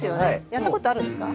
やったことあるんですか？